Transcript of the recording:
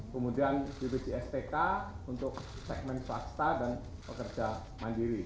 kemudian bpjstk untuk segmen swasta dan pekerja mandiri